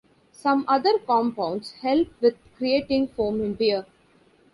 Some other compounds help with creating foam in beer.